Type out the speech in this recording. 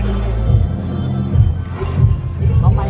สโลแมคริปราบาล